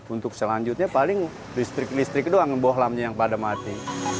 untuk selanjutnya paling listrik listrik doang bohlamnya yang pada mati